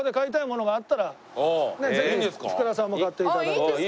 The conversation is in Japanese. ぜひ福田さんも買って頂いて。